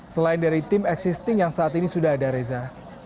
selain dari tim existing yang saat ini sudah ada reza